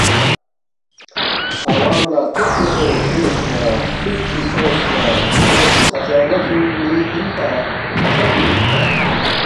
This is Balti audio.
عوام لہ ہلتوخفے سونگس نہ خپِت چی سونگس نہ کھو سی خزانہ فیُونگمی اِنپا، کرالبی اِنپا